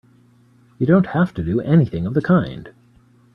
You don't have to do anything of the kind!